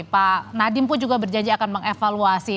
pak nadiem pun juga berjanji akan mengevaluasi